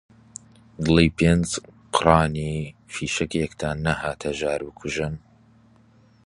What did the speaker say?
دڵی پێنج قڕانی فیشەکێکتان نەهات هەژار بکوژن